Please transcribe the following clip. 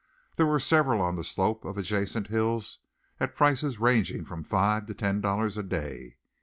There were several on the slope of adjacent hills at prices ranging from five to ten dollars a day.